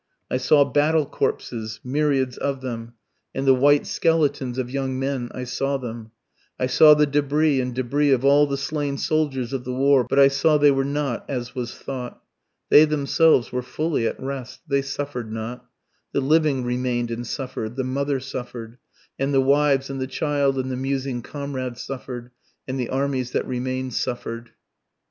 I saw battle corpses, myriads of them, And the white skeletons of young men, I saw them, I saw the debris and debris of all the slain soldiers of the war, But I saw they were not as was thought, They themselves were fully at rest, they suffer'd not, The living remain'd and suffer'd, the mother suffer'd, And the wives and the child and the musing comrade suffer'd, And the armies that remain'd suffer'd....